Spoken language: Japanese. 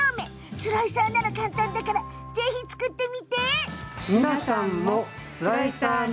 スライサーなら簡単だからぜひ作ってみて。